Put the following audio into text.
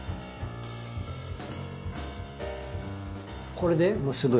これで結ぶ？